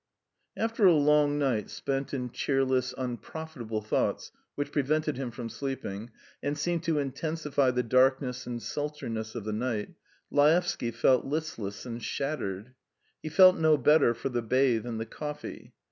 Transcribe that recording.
After a long night spent in cheerless, unprofitable thoughts which prevented him from sleeping, and seemed to intensify the darkness and sultriness of the night, Laevsky felt listless and shattered. He felt no better for the bathe and the coffee.